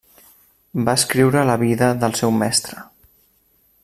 Va escriure la vida del seu mestre.